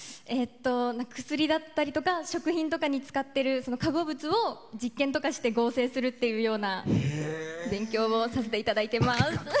薬だったり食品に使ってる化合物を実験とかして合成するというような勉強をさせていただいています。